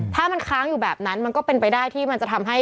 ถ้ามันค้างอยู่แบบนั้นมันก็เป็นไปได้ที่มันจะทำให้